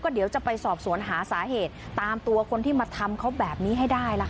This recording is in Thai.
เดี๋ยวจะไปสอบสวนหาสาเหตุตามตัวคนที่มาทำเขาแบบนี้ให้ได้ล่ะค่ะ